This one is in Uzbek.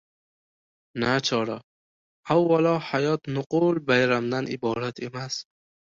Nachora, awalo hayot - nuqul bayramdan iborat emas.